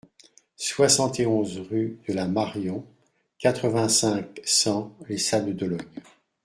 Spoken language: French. soixante et onze rue de la Marion, quatre-vingt-cinq, cent, Les Sables-d'Olonne